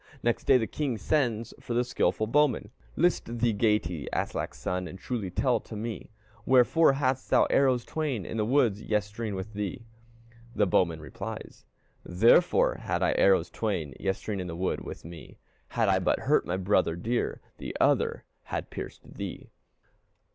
Next day the king sends for the skilful bowman: "List thee, Geyti, Aslak's son, And truly tell to me, Wherefore hadst thou arrows twain In the wood yestreen with thee?" The bowman replies, "Therefore had I arrows twain Yestreen in the wood with me, Had I but hurt my brother dear, The other had piercéd thee."